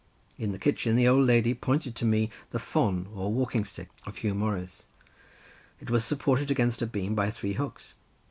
In the kitchen the old lady pointed to me the ffon, or walking stick, of Huw Morris; it was supported against a beam by three hooks.